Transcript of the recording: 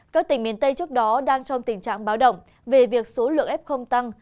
các tỉnh miền tây trước đó đang trong tình trạng báo động về việc số lượng f tăng